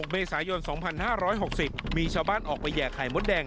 เมษายน๒๕๖๐มีชาวบ้านออกไปแห่ไข่มดแดง